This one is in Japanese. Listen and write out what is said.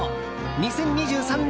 ２０２３年